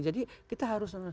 jadi kita harus